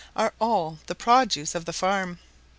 are all the produce of the farm.